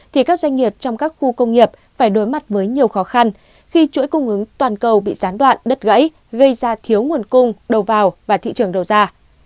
thì các doanh nghiệp trong các khu công nghiệp phải đối mặt với nhiều khó khăn khi chuỗi cung ứng toàn cầu bị gián đoạn đứt gãy gây ra thiếu nguồn cung đầu vào và thị trường đầu ra